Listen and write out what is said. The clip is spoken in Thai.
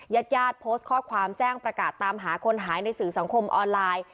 ญาติญาติโพสต์ข้อความแจ้งประกาศตามหาคนหายในสื่อสังคมออนไลน์